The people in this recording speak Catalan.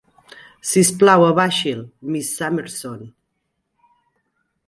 Si us plau abaixi'l, Miss Summerson!